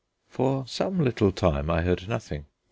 For some little time I heard nothing.